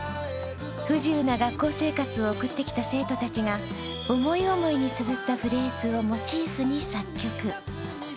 不自由な学校生活を送ってきた生徒たちが思い思いにつづったフレーズをモチーフに作曲。